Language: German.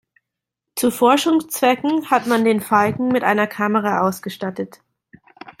Zu Forschungszwecken hat man den Falken mit einer Kamera ausgestattet.